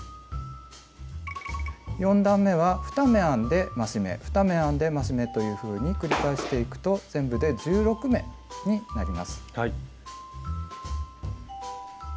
４段めは２目編んで増し目２目編んで増し目というふうに繰り返していくと全部で１６目になります。